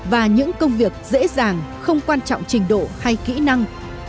và những công việc dễ dàng không quan trọng trình độ hay kỹ năng